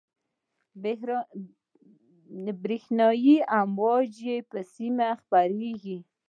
برېښنایي امواج بې سیمه خپرېږي.